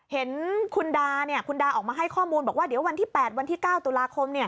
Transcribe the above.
เห็นคุณดาคุณดาออกมาให้ข้อมูลบอกว่าเดี๋ยววันที่๘วันที่๙ตุลาคม